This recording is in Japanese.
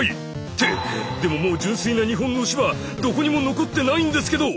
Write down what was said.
ってでももう純粋な日本の牛はどこにも残ってないんですけど！